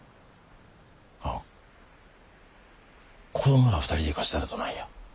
あっ子供ら２人で行かせたらどないや。